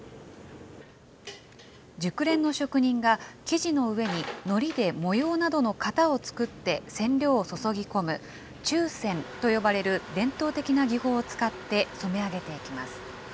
熟練の職人が、生地の上にのりで模様などの型を作って染料を注ぎ込む、注染と呼ばれる伝統的な技法を使って染め上げていきます。